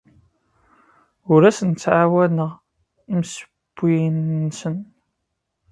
Ur asen-ttɛawaneɣ imsewwiyen-nsen.